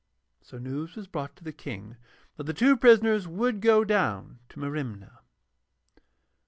So news was brought to the King that the two prisoners would go down to Merimna.